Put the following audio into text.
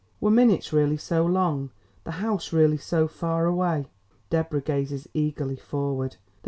Were minutes really so long the house really so far away? Deborah gazes eagerly forward.